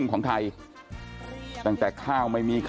โอ้ยเงินมาให้มี